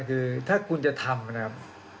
คือถ้าคุณจะทำนะครับ